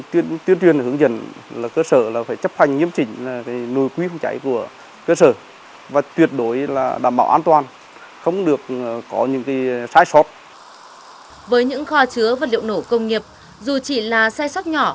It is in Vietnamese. rừng trông là các rừng tự nhiên hoặc rừng trông